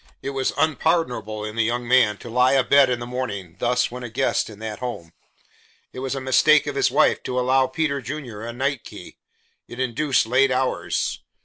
It was unpardonable in the young man to lie abed in the morning thus when a guest in that home. It was a mistake of his wife to allow Peter Junior a night key. It induced late hours.